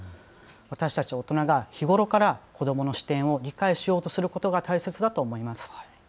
私たち大人が日頃から子どもの視点を理解しようとすることが大切だと思います。